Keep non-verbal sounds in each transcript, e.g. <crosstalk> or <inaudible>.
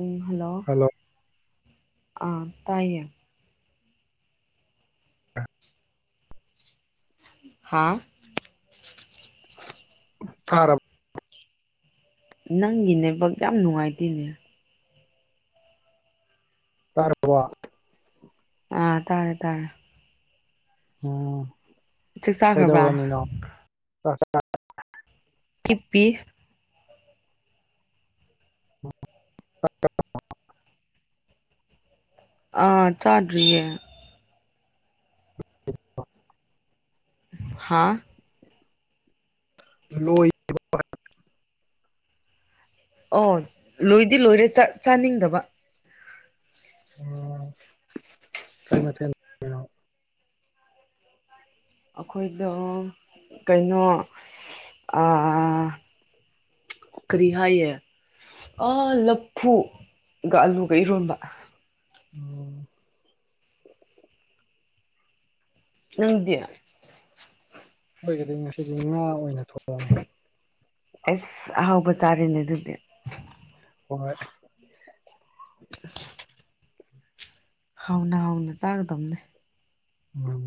ꯎ ꯍꯜꯂꯣ ꯑ ꯇꯥꯏꯌꯦ ꯍꯥꯥ ꯈꯔ ꯅꯪꯒꯤꯅꯦꯕ ꯌꯥꯝ ꯅꯨꯡꯉꯥꯏꯇꯦꯅꯦ ꯀꯔ ꯑꯥ ꯇꯥꯔꯦ ꯇꯥꯔꯦ ꯑ ꯆꯥꯛ ꯆꯥꯈ꯭ꯔꯕ꯭ꯔꯥ ꯀꯩꯗꯧꯔꯃꯤꯅ ꯑ ꯇꯤꯞꯄꯤ ꯑꯥ ꯆꯥꯗ꯭ꯔꯤꯌꯦ ꯍꯥꯥ ꯂꯣꯏ ꯑꯣ ꯂꯣꯏꯗꯤ ꯂꯣꯏꯔꯦ ꯆꯥꯅꯤꯡꯗꯕ ꯑꯣ ꯀꯥꯏ ꯃ ꯑꯩꯈꯣꯏꯗ ꯀꯩꯅꯣ ꯀꯔꯤ ꯍꯥꯏꯌꯦ ꯂꯐꯨꯒ ꯑꯂꯨꯒ ꯏꯔꯣꯟꯝꯕ ꯎꯝ ꯉꯗꯤꯌꯥ ꯑꯣꯏꯈꯒꯗꯤ ꯉꯁꯤꯗꯤ ꯉꯥ ꯑꯣꯏꯅ ꯊꯣꯡ ꯑꯁ ꯑꯍꯥꯎꯕ ꯆꯥꯔꯤꯅꯦ ꯑꯗꯨꯗꯤ ꯍꯣꯏ ꯍꯥꯎꯅ ꯍꯥꯎꯅ ꯆꯥꯒꯗꯕꯅꯦ ꯎꯝ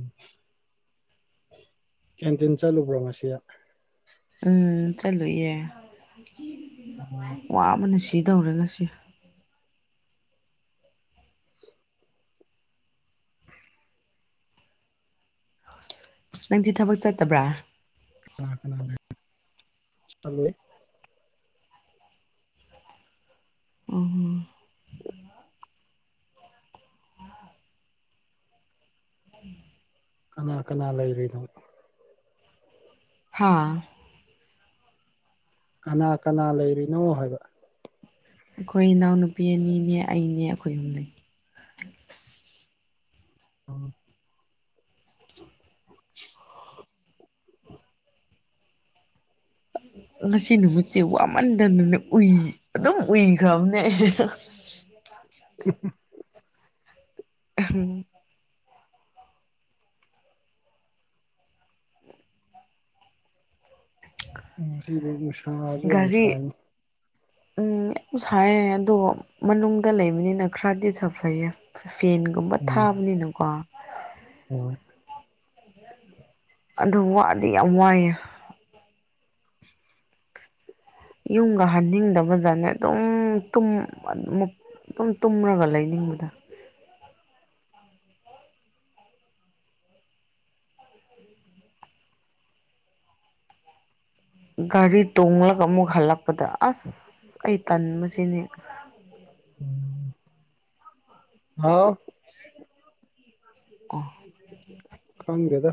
ꯀꯦꯟꯇꯤꯟ ꯆꯠꯂꯨꯕ꯭ꯔꯣ ꯉꯁꯤ ꯎꯝ ꯆꯂꯨꯌꯦ ꯋꯥ ꯑꯃꯅ ꯁꯤ ꯁꯤ ꯇꯧꯔꯦ ꯉꯁꯤ ꯅꯪꯗꯤ ꯊꯕꯛ ꯆꯠꯇꯕ꯭ꯔꯥ ꯆꯂꯣꯏ ꯎꯝ ꯀꯅꯥꯜ ꯀꯅꯥꯜ ꯂ ꯂꯩꯔꯤꯗ ꯍꯥꯥ ꯀꯅꯥ ꯀꯅꯥ ꯂꯩꯔꯤꯅꯣ ꯍꯥꯏꯕ ꯑꯩꯈꯣꯏ ꯏꯅꯥꯎꯅꯨꯄꯤ ꯑꯅꯤꯅꯦ ꯑꯩꯅꯦ ꯑꯩꯈꯣꯏ ꯍꯨꯝꯅꯤ ꯑ ꯉꯁꯤ ꯅꯨꯃꯤꯠꯁꯦ ꯋꯥꯃꯟꯗꯗꯅ ꯎꯏ ꯑꯗꯨꯝ ꯎꯏꯈ꯭ꯔꯕꯅꯦ ꯎꯝ ꯎꯝ ꯎꯝ ꯁꯤ ꯁꯥ ꯒꯥꯔꯤ ꯌꯥꯝꯁ ꯎꯝ ꯌꯥꯝ ꯁꯥꯏ ꯑꯗꯣ ꯃꯅꯨꯡꯗ ꯂꯩꯕꯅꯤꯅ ꯈꯔꯗꯤ ꯁꯥꯐꯩꯌꯦ ꯐꯦꯟꯒꯨꯝꯕ ꯊꯥꯕꯅꯤꯅꯀꯣ ꯑꯣ ꯑꯗ ꯋꯥꯗꯤ ꯋꯥꯏꯦ ꯌꯨꯝꯒ ꯍꯟꯅꯤꯡꯗꯕꯗꯅꯦ ꯑꯗꯨꯝ ꯑꯗꯨꯝ ꯇꯨꯝꯃꯒ ꯂꯩꯅꯤꯡꯕꯗ ꯒꯥꯔꯤ ꯇꯣꯡꯂ ꯀꯃꯛ ꯍꯜꯂ ꯄꯗ ꯑꯁ ꯑꯩ ꯇꯟꯕꯁꯤꯅꯦ ꯎꯝ ꯍꯥꯎ ꯑꯣ ꯀꯃꯒꯦꯗ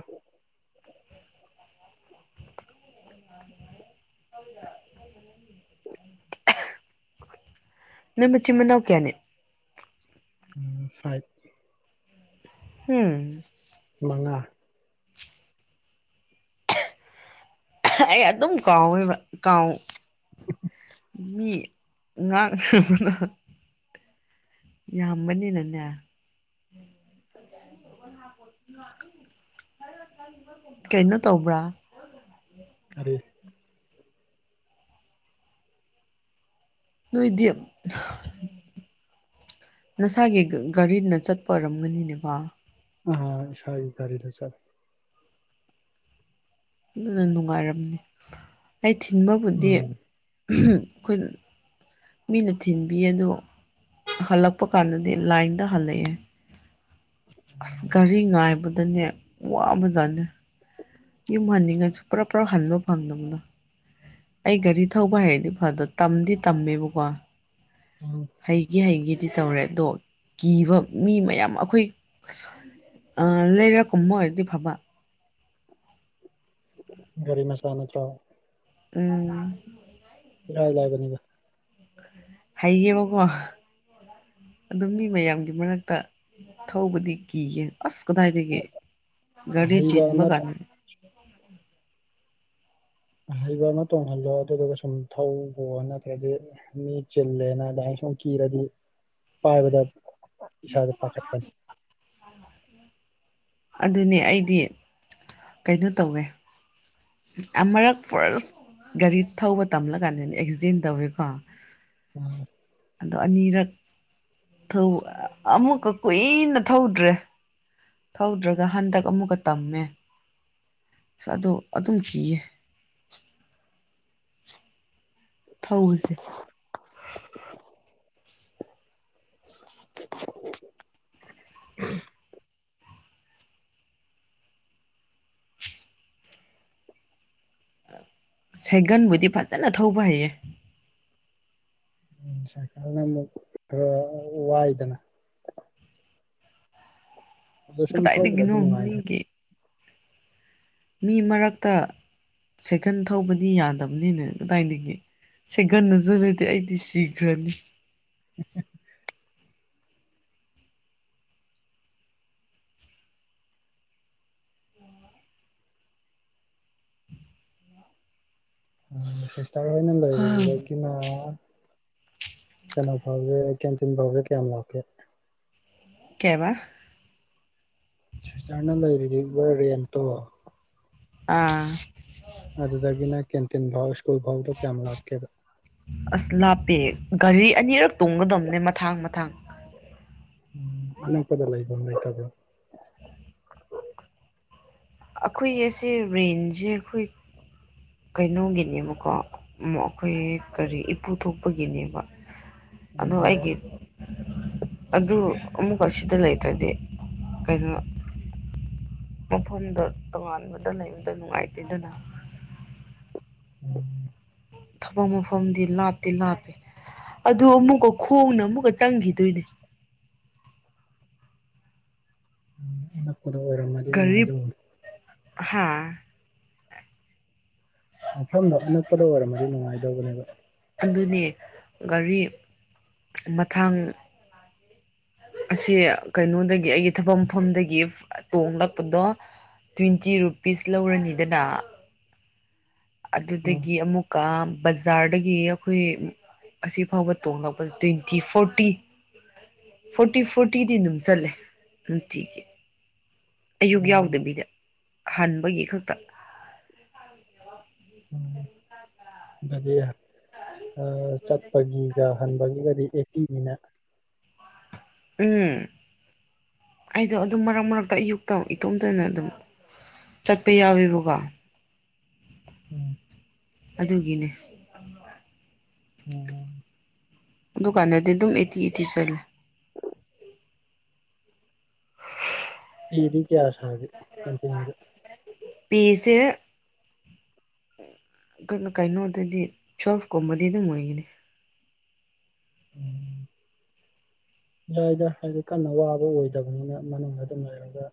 ꯅꯪ ꯃꯆꯤꯟ ꯃꯅꯥꯎ ꯀꯌꯥꯅꯦ ꯎꯝ ꯐꯥꯏꯚ ꯎꯝ ꯃꯉꯥ ꯑꯩ ꯑꯗꯨꯝ ꯀꯥꯎꯋꯦꯕ ꯀꯥꯎ ꯃꯤ ꯉꯥꯡꯕꯗꯣ ꯌꯥꯝꯒꯅꯤꯅꯅꯦ ꯀꯩꯅꯣ ꯇꯧꯕ꯭ꯔꯥ ꯀꯔꯤ ꯅꯣꯏꯗꯤ ꯅꯁꯥꯒꯤ ꯒꯥꯔꯤꯅ ꯆꯠꯄ ꯑꯣꯏꯔꯝꯒꯅꯤꯅꯦꯀꯣ ꯑꯥ ꯁ ꯀꯂ ꯆꯔ ꯑꯗꯨꯅ ꯅꯨꯡꯉꯥꯏꯔꯝꯅꯤ ꯑꯩ ꯊꯤꯟꯕꯕꯨꯗꯤ ꯎꯝ ꯑꯩꯈꯣꯏꯅ ꯃꯤꯅ ꯊꯤꯟꯕꯤ ꯑꯗꯣ ꯍꯜꯂꯛꯄ ꯀꯥꯟꯗꯗꯤ ꯂꯥꯏꯟꯗ ꯍꯜꯂꯛꯑꯦ ꯑꯁ ꯒꯥꯔꯤ ꯉꯥꯏꯕꯗꯅꯦ ꯋꯥꯕꯖꯥꯠꯅꯤ ꯌꯥꯝ ꯃꯅꯤꯒꯁꯨ ꯄꯨꯂꯞ ꯄꯨꯂꯞ ꯍꯟꯕ ꯐꯪꯗꯕꯅꯣ ꯑꯩ ꯒꯥꯔꯤ ꯊꯧꯕ ꯍꯥꯏꯔꯗꯤ ꯐꯗ ꯇꯝꯗꯤ ꯇꯝꯃꯦꯕꯀꯣ ꯎꯝ ꯍꯩꯒꯤ ꯍꯩꯒꯤꯗꯤ ꯇꯧꯔꯦ ꯑꯗꯣ ꯀꯤꯕ ꯃꯤ ꯃꯌꯥꯝ ꯑꯩꯈꯣꯏ ꯂꯩꯔ ꯀꯨꯝꯕ ꯑꯣꯏꯔꯗꯤ ꯐꯕ ꯒꯥꯔꯤꯃꯁꯥꯟꯅ ꯆꯣ ꯄ ꯕꯅꯤꯗ ꯍꯩꯒꯦꯕꯀꯣ ꯑꯗꯨꯝ ꯃꯤ ꯃꯌꯥꯝꯒꯤ ꯃꯔꯛꯇ ꯊꯧꯕꯗꯤ ꯀꯤꯒꯦ ꯑꯁ ꯀꯗꯥꯥꯏꯗꯤꯒꯦ ꯒꯥꯔꯤ ꯑꯍꯩꯕ ꯑꯃ ꯆꯤꯟꯤꯟꯕꯒꯔꯅꯤ ꯍꯩꯕ ꯑꯃ ꯇꯣꯡꯍꯜꯂꯣ ꯑꯗꯨꯗꯨꯒ ꯁꯨꯝ ꯊꯣ ꯅꯠꯇ꯭ꯔꯗꯤ ꯃꯤ ꯆꯤꯜꯂꯦꯅ ꯑꯗꯨꯃꯥꯏꯅ ꯁꯨꯝ ꯀꯤꯔꯗꯤ ꯄꯥꯏꯕꯗ ꯏꯁꯥꯗ ꯄꯥꯈꯠꯄꯅꯤ ꯑꯗꯨꯅꯦ ꯑꯩꯗꯤ ꯀꯩꯅꯣ ꯇꯧꯋꯦ ꯑꯃꯨꯔꯛ ꯄꯨꯔꯁ ꯒꯥꯔꯤ ꯊꯧꯕ ꯇꯝꯂꯀꯥꯟꯗꯅꯦ ꯑꯦꯛꯁꯤꯗꯦꯟ ꯇꯧꯋꯦꯀꯣ ꯎꯝ ꯑꯗꯣ ꯑꯅꯤꯔꯛ ꯑꯃꯨꯛꯀ ꯀꯨꯏꯅ ꯊꯧꯗ꯭ꯔꯦ ꯊꯧꯗ꯭ꯔꯒ ꯍꯟꯗꯛ ꯑꯃꯨꯛꯀ ꯇꯝꯃꯦ ꯑꯗꯨꯗ ꯑꯗꯨꯝ ꯀꯤꯌꯦ ꯊꯧꯕꯁꯦ ꯁꯦꯒꯟꯕꯨꯗꯤ ꯐꯖꯅ ꯊꯧꯕ ꯍꯩꯌꯦ ꯎ ꯁꯔꯀꯥꯔꯅ ꯑꯃꯨꯛ ꯈꯔ ꯋꯥꯏꯗꯅ ꯑꯗꯣ ꯁꯨꯝ ꯀꯗꯥꯥꯏꯗꯒꯤꯒꯅꯣ ꯊꯧꯈ꯭ꯔꯗꯤ ꯅꯨꯡꯉꯥꯏꯅꯤ ꯅꯒꯤ ꯃꯤ ꯃꯔꯛꯇ ꯁꯥꯏꯀꯟ ꯊꯧꯕꯗꯤ ꯌꯥꯗꯕꯅꯤꯅꯦ ꯀꯗꯥꯏꯗꯒꯤ ꯁꯥꯏꯀꯜꯗꯁꯨ ꯂꯩꯇꯦ ꯑꯩꯗꯤ ꯁꯤꯈ꯭ꯔꯅꯤ ꯎꯝꯁ ꯆꯥꯅ ꯂꯩꯗ ꯀꯅ ꯀꯩꯅꯣ ꯐꯥꯎꯒꯦ ꯀꯦꯟꯇꯤꯟ ꯐꯥꯎꯈ꯭ꯔꯦ ꯀꯌꯥꯝ ꯂꯥꯛꯀꯦ ꯀꯦꯕ ꯁ꯭ꯇꯔꯅ ꯂꯩꯔꯤꯕ ꯔꯦꯟꯇꯣ ꯑꯥ ꯑꯗ ꯇꯒꯅꯥ ꯀꯦꯟꯇꯤꯟꯚꯥꯎ ꯁ꯭ꯀꯨꯜꯚꯥꯎꯗ ꯀ ꯑꯃ ꯂꯥꯛꯀꯦꯕ ꯑꯁ ꯂꯥꯞꯄꯦ ꯒꯥꯔꯤ ꯑꯅꯤꯔꯛ ꯇꯣꯡꯒꯗꯕꯅꯦ ꯃꯊꯥꯡ ꯃꯊꯥꯡ ꯎꯝ ꯑꯅꯄꯗ ꯂꯕꯥꯏꯛꯇ ꯑꯗꯨ ꯑꯩꯈꯣꯏ ꯑꯁꯦ ꯔꯦꯟꯁꯦ ꯑꯩꯈꯣꯏ ꯀꯩꯅꯣꯒꯤꯅꯦꯕꯀꯣ ꯑꯩꯈꯣꯏ ꯀꯔꯤ ꯏꯄꯨ ꯊꯣꯛꯄꯒꯤꯅꯦꯕ ꯑꯗ ꯑꯣ ꯑꯩꯒꯤ ꯑꯗꯨ ꯑꯃꯨꯛꯀ ꯑꯁꯤꯗ ꯂꯩꯇ꯭ꯔꯗꯤ ꯀꯩꯅꯣ ꯃꯐꯝꯗ ꯇꯣꯉꯥꯟꯕꯗ ꯂꯩꯕꯗ ꯅꯨꯡꯉꯥꯏꯇꯦꯗꯅ ꯎꯝ ꯊꯕꯛ ꯃꯐꯝꯗꯤ ꯂꯥꯞꯇꯤ ꯂꯥꯞꯄꯦ ꯑꯗꯨ ꯑꯃꯨꯛꯀ ꯈꯣꯡꯅ ꯑꯃꯨꯛꯀ ꯆꯪꯈꯤꯗꯣꯏꯅꯦ ꯎꯝ ꯑꯗꯨ ꯑꯣꯏꯔꯝꯃꯗꯤ ꯅꯨꯡꯉꯥꯏꯗꯧꯕꯅꯤ ꯍꯥꯥ ꯃꯐꯝꯗꯣ ꯑꯅꯛꯄꯗ ꯑꯣꯏꯔꯝꯃꯗꯤ ꯅꯨꯡꯉꯥꯏꯗꯧꯕꯅꯦꯕ ꯑꯗꯨꯅꯤ ꯒꯥꯔꯤ ꯃꯊꯥꯡ ꯑꯁꯤ ꯀꯩꯅꯣꯗꯒꯤ ꯑꯩꯒꯤ ꯊꯕꯛ ꯃꯐꯝꯗꯒꯤ ꯇꯣꯡꯂꯛꯄꯗꯣ ꯇ꯭ꯋꯦꯟꯇꯤ ꯔꯨꯄꯤꯁ ꯂꯧꯔꯅꯤꯗꯅ ꯎꯝ ꯑꯗꯨꯗꯒꯤ ꯑꯃꯨꯛꯀ ꯕꯖꯥꯔꯗꯒꯤ ꯑꯩꯈꯣꯏ ꯑꯁꯤꯐꯥꯎꯕ ꯇꯣꯡꯡꯂꯛꯄꯗ ꯇ꯭ꯋꯦꯟꯇꯤ ꯐꯣꯔꯇꯤ ꯐꯣꯔꯇꯤ ꯐꯣꯔꯇꯤꯗꯤ ꯑꯗꯨꯝ ꯆꯠꯂꯦ ꯅꯨꯡꯇꯤꯒꯤ ꯑꯌꯨꯛ ꯎꯝ ꯌꯥꯎꯗꯕꯤꯗ ꯍꯟꯕꯒꯤ ꯈꯛꯇ ꯎꯝ ꯗꯗꯤ ꯆꯠꯄꯒꯤꯒ ꯍꯟꯕꯒꯤꯒꯗꯤ ꯆꯦꯄꯤ ꯃ ꯎꯝ ꯑꯩꯗꯣ ꯑꯗꯨꯝ ꯃꯔꯛ ꯃꯔꯛꯇ ꯑꯌꯨꯛꯇ ꯏꯇꯣꯝꯇꯅ ꯑꯗꯨꯝ ꯆꯠꯄ ꯌꯥꯎꯋꯦꯕꯀꯣ ꯎꯝ ꯑꯗꯨꯒꯤꯅꯦ ꯑꯣꯝ ꯗꯨꯀꯥꯟꯅꯦꯗꯤ ꯑꯗꯨꯝ ꯏꯊꯤ ꯏꯊꯤ ꯆꯂ ꯗꯤ ꯀꯌꯥ ꯊꯥꯒꯤ ꯀꯦꯟꯇꯅꯤꯗ ꯄꯖ ꯀꯩꯅꯣꯗꯗꯤ ꯇ꯭ꯋꯦꯜꯐꯀꯨꯝꯕꯗꯤ ꯑꯗꯨꯝ ꯑꯣꯏꯒꯅꯤ ꯎꯝ ꯑꯗꯨꯗꯥꯏꯗ ꯍꯥꯏꯗꯤ ꯀꯟꯅ ꯋꯥꯕ ꯑꯣꯏꯗꯕꯅꯤꯅ ꯃꯅꯨꯡꯗ ꯑꯗꯨꯝ ꯂꯩꯔꯒ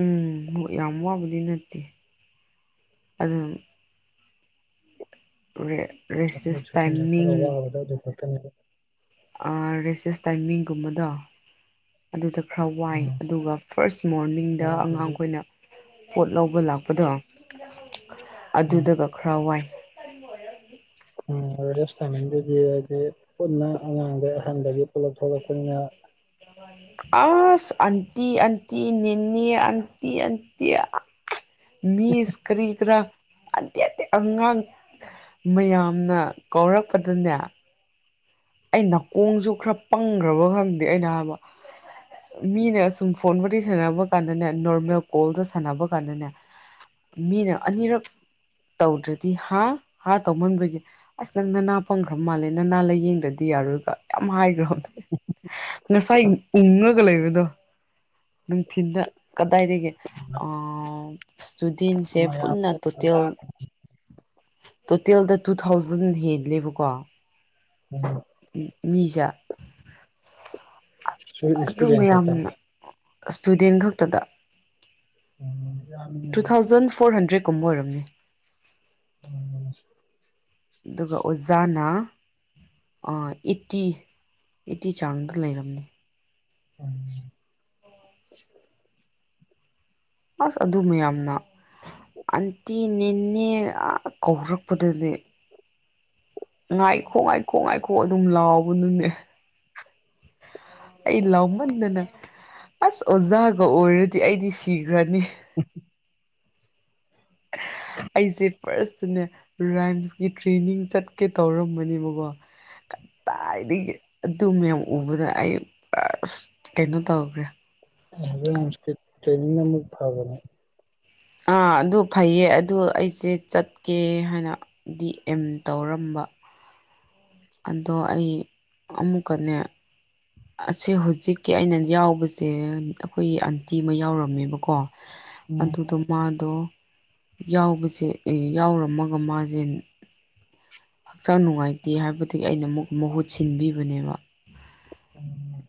ꯎꯝ ꯌꯥꯝ ꯋꯥꯕꯗꯤ ꯅꯠꯇꯦ ꯑꯗꯨ ꯃ ꯑꯔ ꯊ ꯔꯦꯁꯦꯁ ꯇꯥꯏꯃꯤꯡꯒꯨꯝꯕꯗꯣ ꯑꯗꯨꯗ ꯈꯔ ꯋꯥꯏ ꯎꯝ ꯑꯗꯨꯒ ꯐꯥꯔꯁ ꯃꯣꯔꯅꯤꯡꯗ ꯑꯉꯥꯡ ꯑꯗꯨꯗꯤ ꯑꯩꯈꯣꯏꯅ ꯄꯣꯠ ꯂꯧꯕ ꯂꯥꯛꯄꯗꯣ ꯎꯝ ꯑꯗꯨꯗꯒ ꯈꯔ ꯋꯥꯏ ꯃ ꯎꯝ ꯔꯦꯁ ꯇꯥꯏꯃꯤꯡꯗꯨꯗꯤ ꯍꯥꯏꯗꯤ ꯄꯨꯟꯅ ꯑꯉꯥꯡꯗ ꯑꯍꯟꯗꯒꯤ ꯄꯨꯂꯞ ꯊꯣꯛꯂꯛꯄꯅꯤꯅ ꯑꯁ ꯑꯟꯇꯤ ꯑꯟꯇꯤ ꯅꯤꯅꯤ ꯑꯟꯇꯤ ꯑꯟꯇꯤ ꯃꯤꯁ ꯀꯔꯤ ꯀꯔ ꯑꯇꯦꯇꯦ ꯑꯉꯥꯡ ꯃꯌꯥꯝꯅ ꯀꯧꯔꯛꯄꯗꯅꯦ ꯑꯩ ꯅꯥꯀꯣꯡꯁꯨ ꯈꯔ ꯄꯪꯈ꯭ꯔꯕ ꯈꯪꯗꯦ ꯑꯩꯅ ꯍꯥꯏꯕ ꯃꯤꯅ ꯁꯨꯝ ꯐꯣꯟꯕꯨꯗꯤ ꯁꯥꯟꯅꯕ ꯀꯥꯟꯗꯅꯦ ꯅꯣꯔꯃꯦꯜ ꯀꯣꯜꯗ ꯁꯥꯟꯅꯕ ꯀꯥꯟꯗꯅꯦ ꯃꯤꯅ ꯑꯅꯤꯔꯛ ꯇꯧꯗ꯭ꯔꯗꯤ ꯍꯥ ꯍꯥ ꯇꯧꯃꯟꯕꯒꯤ ꯑꯁ ꯅꯪ ꯅꯅꯥ ꯄꯪꯈ꯭ꯔꯕ ꯃꯥꯜꯂꯦ ꯅꯅꯥ ꯂꯥꯏꯌꯦꯡꯗꯅꯤ ꯗꯤ ꯌꯥꯔꯒ ꯌꯥꯝ ꯍꯥꯏꯈ꯭ꯔꯣ ꯉꯁꯥꯏ ꯎꯉꯒ ꯂꯩꯕꯗꯣ ꯅꯨꯡꯊꯤꯤꯟꯗ ꯀꯗꯥꯏꯒꯦ ꯖꯨꯗꯤꯟꯁꯦ ꯃꯌꯥꯝ ꯄꯨꯟꯅ ꯇꯣꯇꯦꯜ ꯎꯝ ꯇꯣꯇꯦꯜꯗ ꯇꯨ ꯊꯥꯎꯖꯟ ꯍꯦꯟꯂꯦꯕꯀꯣ ꯎꯝ ꯃꯤꯖꯥ ꯁꯣꯏꯗꯦ ꯁ꯭ꯇꯨꯗꯦꯟ ꯈꯛꯇꯥ ꯑ ꯁ꯭ꯇꯨꯗꯦꯟ ꯈꯛꯇꯗ ꯎꯝ ꯇꯨ ꯌꯥꯝꯃꯤꯅꯦ ꯊꯥꯎꯖꯟ ꯐꯣꯔ ꯍꯟꯗ꯭ꯔꯦꯠ ꯀꯨꯝ ꯑꯣꯏꯔꯝꯅꯤ ꯎꯝ ꯑꯗꯨꯒ ꯑꯣꯖꯥꯅ ꯑꯥ ꯑꯦꯠꯇꯤ ꯑꯦꯠꯇꯤ ꯆꯥꯡꯗ ꯂꯩꯔꯝꯅꯤ ꯎꯝ ꯑꯁ ꯑꯗꯨ ꯃꯌꯥꯝꯅ ꯑꯟꯇꯤ ꯅꯦꯅꯦ ꯑ ꯀꯧꯔꯛꯄꯗꯅꯦ ꯉꯥꯏꯈꯣ ꯉꯥꯏꯈꯣ ꯉꯥꯏꯈꯣ ꯑꯗꯨꯝ ꯂꯥꯎꯕ ꯅꯨꯅꯦ ꯑꯩ ꯂꯥꯎꯃꯟꯗꯅ ꯑꯁ ꯑꯣꯖꯥꯒ ꯑꯣꯏꯔꯗꯤ ꯑꯩꯗꯤ ꯁꯤꯈ꯭ꯔꯅꯤ <inaudible> ꯑꯩꯁꯦ ꯐꯥꯔꯁꯇꯨꯅꯦ ꯔꯥꯏꯝꯁꯀꯤ ꯇ꯭ꯔꯦꯅꯤꯡ ꯆꯠꯀꯦ ꯇꯧꯔꯝꯕꯅꯦꯕꯀꯣ ꯀꯗꯥꯏꯗꯒꯤ ꯑꯗꯨ ꯃꯌꯥꯝ ꯎꯕꯗ ꯑꯩ ꯄꯔꯁ ꯀꯩꯅꯣ ꯇꯧꯈ꯭ꯔꯦ ꯔꯥꯏꯝꯁ ꯀꯤ ꯇ꯭ꯔꯦꯅꯤꯡ ꯃꯨꯛ ꯐꯥꯕꯅꯦ ꯑꯥ ꯑꯗꯨ ꯐꯩꯌꯦ ꯑꯗꯨ ꯑꯩꯁꯦ ꯆꯠꯀꯦ ꯍꯥꯏꯅꯗꯤ ꯑꯦꯝ ꯇꯧꯔꯝꯕ ꯑꯗꯣ ꯑꯩ ꯑꯃꯨꯛꯀꯅꯦ ꯑꯁꯤ ꯍꯧꯖꯤꯛꯀꯤ ꯑꯩꯅ ꯌꯥꯎꯕꯁꯦ ꯑꯩꯈꯣꯏꯒꯤ ꯑꯟꯇꯤ ꯃꯣꯏ ꯌꯥꯎꯔꯝꯃꯦꯕꯀꯣ ꯎꯝ ꯑꯗꯨꯗ ꯃꯥꯗꯣ ꯌꯥꯎꯕꯁꯦ ꯌꯥꯎꯔꯝꯃꯒ ꯃꯥꯁꯦ ꯍꯛꯆꯥꯡ ꯅꯨꯡꯉꯥꯏꯇꯦ ꯍꯥꯏꯕꯗꯒꯤ ꯑꯩꯅ ꯑꯃꯨꯛ ꯃꯍꯨꯠ ꯁꯤꯟꯕꯤꯕꯅꯦꯕ ꯎꯝ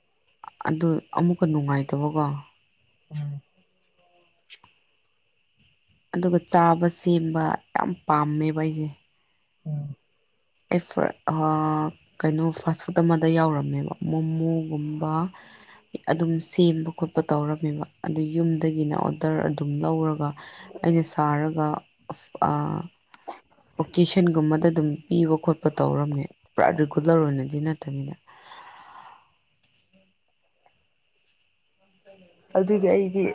ꯑꯗꯨ ꯑꯃꯨꯛꯀ ꯅꯨꯡꯉꯥꯏꯇꯕꯀꯣ ꯎꯝ ꯑꯗꯨꯒ ꯆꯥꯕ ꯁꯦꯝꯕ ꯌꯥꯝ ꯄꯥꯝꯃꯦꯕ ꯑꯩꯁꯦ ꯎꯝ ꯑꯦ ꯀꯩꯅꯣ ꯐꯥꯁ ꯐꯨꯗ ꯑꯃꯗ ꯌꯥꯎꯔꯝꯃꯦꯕ ꯃꯣꯃꯣꯒꯨꯝꯕ ꯑꯗꯨꯝ ꯁꯦꯝꯕ ꯈꯣꯠꯄ ꯇꯧꯔꯝꯃꯦꯕ ꯑꯗꯩ ꯌꯨꯝꯗꯒꯤꯅ ꯑꯣꯗꯔ ꯑꯗꯨꯝ ꯂꯧꯔꯒ ꯑꯩꯅ ꯁꯥꯔꯒ ꯑꯥ ꯑꯣꯀꯦꯁꯟꯒꯨꯝꯕꯗ ꯑꯗꯨꯝ ꯄꯤꯕ ꯈꯣꯠꯄ ꯇꯧꯔꯝꯃꯦ ꯄꯨꯔꯥ ꯔꯤꯒꯨꯂꯔ ꯑꯣꯏꯅꯗꯤ ꯅꯠꯇꯕꯤꯗ ꯑꯗꯨꯗꯤ ꯑꯩꯗꯤ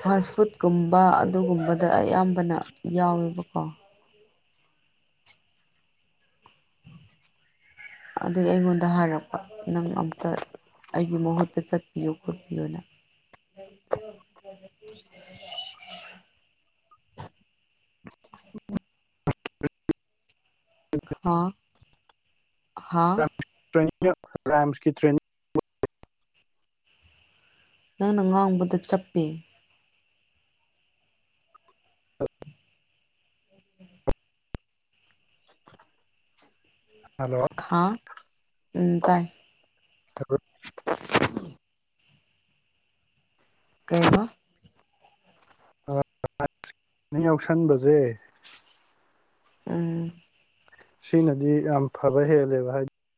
ꯐꯥꯁ ꯐꯨꯗꯀꯨꯝꯕ ꯑꯗꯨꯒꯨꯝꯕꯗ ꯑꯌꯥꯝꯕꯅ ꯌꯥꯎꯋꯦꯕꯀꯣ ꯑꯗꯨꯒꯤ ꯑꯩꯉꯣꯟꯗ ꯍꯥꯏꯔꯛꯄ ꯅꯪ ꯑꯝꯇ ꯑꯩꯒꯤ ꯃꯍꯨꯠꯇ ꯆꯠꯄꯤꯌꯨ ꯈꯣꯠꯄꯤꯌꯣꯅ ꯍꯥ ꯍꯥ ꯔꯥꯏꯝꯁꯀꯤ ꯇ꯭ꯔꯦꯅꯤꯡ <inaudible> ꯅꯪꯅꯉꯥꯡꯕꯗ ꯆꯞꯄꯦ <inaudible> ꯍꯜꯂꯣ ꯍꯥ ꯎꯝ ꯇꯥꯏ <inaudible> ꯀꯩꯕ <inaudible> ꯌꯥꯎꯁꯟꯕꯁꯦ ꯎꯝ ꯁꯤꯅꯗꯤ ꯌꯥꯝ ꯐꯕ ꯍꯦꯜꯂꯦꯕ ꯍꯥꯏ